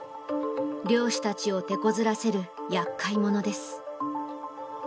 漁師たちをてこずらせる厄介者です。